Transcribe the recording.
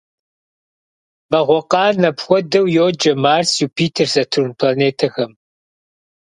Вагъуэкъан – апхуэдэу йоджэ Марс, Юпитер, Сатурн планетэхэм.